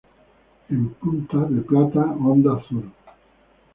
En punta, de plata, onda azur.